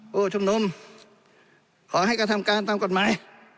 ผู้ชุมนุมขอให้กระทำการตามกฎหมาย